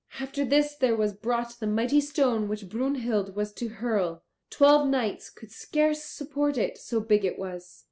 After this there was brought the mighty stone which Brunhild was to hurl. Twelve knights could scarce support it, so big it was.